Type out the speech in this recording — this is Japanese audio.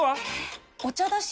お茶だし。